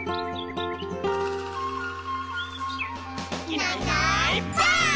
「いないいないばあっ！」